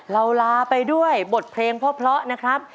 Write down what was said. เราลาไปด้วยบทเพลงพ่อนะครับ